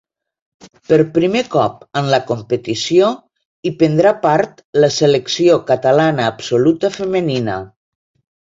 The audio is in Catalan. Per primer cop en la competició hi prendrà part la selecció catalana absoluta femenina.